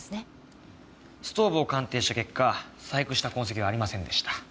ストーブを鑑定した結果細工した痕跡はありませんでした。